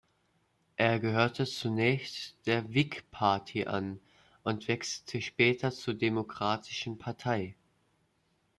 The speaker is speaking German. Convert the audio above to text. Er gehörte zunächst der Whig Party an und wechselte später zur Demokratischen Partei.